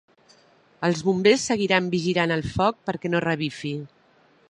Els Bombers seguiran vigilant el foc perquè no revifi.